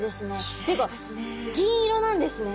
っていうか銀色なんですね。